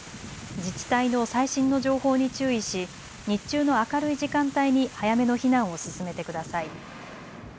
自治体の最新の情報に注意し日中の明るい時間帯に早めの避難を進めてください。